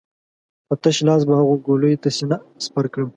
په تش لاس به هغو ګولیو ته سينه سپر کړم.